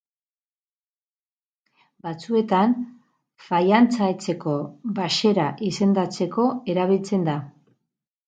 Batzuetan, faiantza etxeko baxera izendatzeko erabiltzen da